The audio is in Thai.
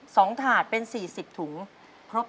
สวัสดีครับ